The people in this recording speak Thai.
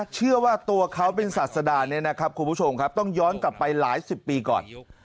เชื่อว่าตัวเขาเป็นศาสดาเนี่ยนะครับคุณผู้ชมครับต้องย้อนกลับไปหลายสิบปีก่อน